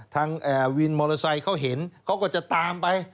ทางวินมอเตอร์ไซค์เขาเห็นเขาก็จะตามไป